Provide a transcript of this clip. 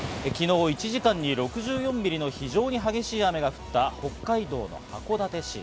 昨日、１時間に６４ミリの非常に激しい雨が降った北海道の函館市。